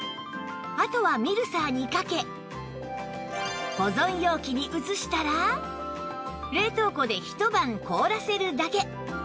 あとはミルサーにかけ保存容器に移したら冷凍庫で一晩凍らせるだけ